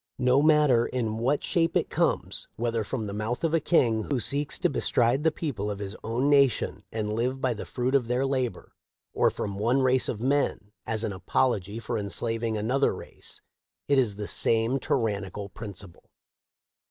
No matter in what shape it comes, whether from the mouth of a king who seeks to bestride the people of his own nation and live by the fruit of their labor, or from one race of men as an apology for enslaving another race, it is the same tyrannical principle."